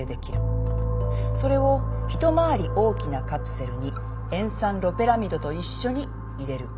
それを一回り大きなカプセルに塩酸ロペラミドと一緒に入れる。